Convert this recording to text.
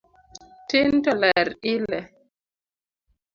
Tin to ler ile